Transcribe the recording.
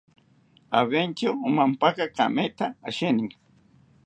Aventyo omampaka kametha asheninka